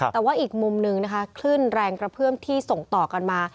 แต่ว่าอีกมุมหนึ่งนะคะคลื่นแรงกระเพื่อมที่ส่งต่อกันมา